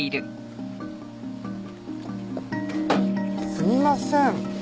すみません。